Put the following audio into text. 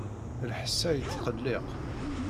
Lḥess-a yettqelliq.